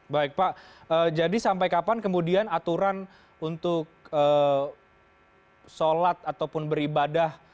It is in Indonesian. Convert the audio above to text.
baik pak jadi sampai kapan kemudian aturan untuk sholat ataupun beribadah